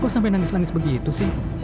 kok sampai nangis nangis begitu sih